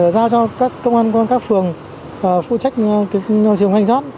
giao cho các công an công an các phường phụ trách trường hành gió